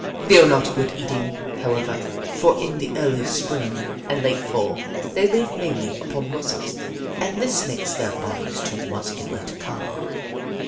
They are not good eating, however, for in the early Spring and late Fall they live mainly upon mussels and this makes their bodies too mus cular to carve.